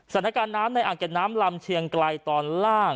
สถานการณ์น้ำในอ่างเก็บน้ำลำเชียงไกลตอนล่าง